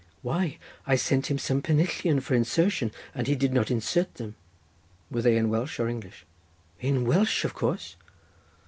"Why I sent him some pennillion for insertion, and he did not insert them." "Were they in Welsh or English?" "In Welsh, of course."